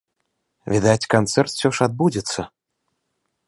Відаць, канцэрт усё ж адбудзецца.